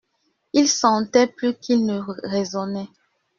Il sentait plus qu'il ne raisonnait.